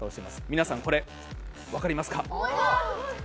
皆さん、これ、分かりますか？